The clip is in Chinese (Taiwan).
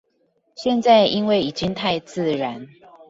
現在因為已經太自然